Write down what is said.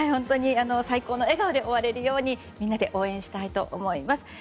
最高の笑顔で追われるようにみんなで応援したいと思います。